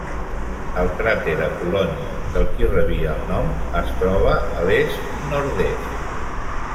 El cràter Apol·loni, del qui rebia el nom, es troba a l'est-nord-est.